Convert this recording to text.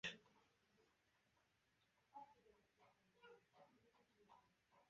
energetika tarmog‘i tashkilotlari moliya-xo‘jalik faoliyatining shaffofligini ta’minlash;